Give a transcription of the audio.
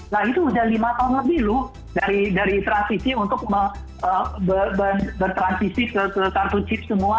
nah itu udah lima tahun lebih loh dari transisi untuk bertransisi ke kartu chip semua